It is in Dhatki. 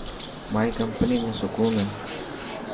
مائي ڪمپني ۾ سڪون هي.